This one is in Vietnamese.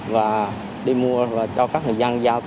và đi mua cho các người dân giao